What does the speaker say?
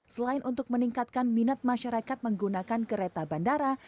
selain untuk meningkatkan minat masyarakat menggunakan kereta bandara